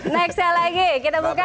nextnya lagi kita buka